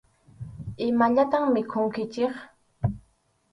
Imallatam mikhunkichik.